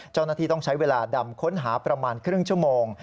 เจ้าหน้าที่ต้องใช้เวลาดำค้นหาประมาณครึ่งชั่วโมง